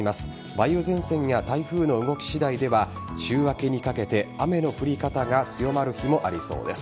梅雨前線や台風の動き次第では週明けにかけて雨の降り方が強まる日もありそうです。